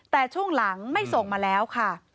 แต่ช่วงหลังไม่ส่งมาแล้วค่ะ